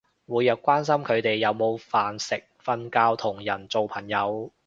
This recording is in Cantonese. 每日關心佢哋有冇食飯瞓覺同人做朋友